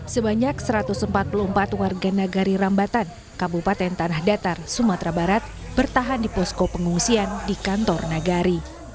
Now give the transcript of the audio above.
sebanyak satu ratus empat puluh empat warga nagari rambatan kabupaten tanah datar sumatera barat bertahan di posko pengungsian di kantor nagari